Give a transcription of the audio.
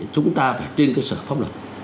chúng ta phải trên cơ sở pháp luật